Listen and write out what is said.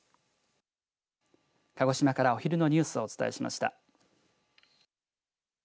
鹿児島から、お昼のニュースをお伝えしました。